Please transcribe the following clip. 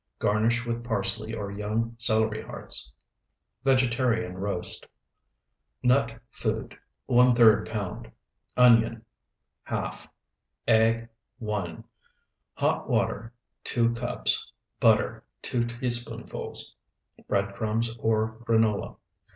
Garnish with parsley or young celery hearts. VEGETARIAN ROAST Nut food, ⅓ pound. Onion, ½. Egg, 1. Hot water, 2 cups. Butter, 2 teaspoonfuls. Bread crumbs or granola.